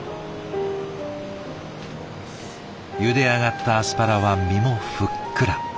ゆで上がったアスパラは身もふっくら。